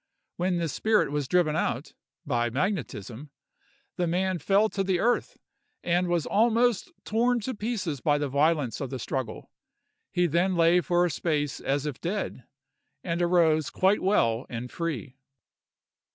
When this spirit was driven out, by magnetism, the man fell to the earth, and was almost torn to pieces by the violence of the struggle; he then lay for a space as if dead, and arose quite well and free.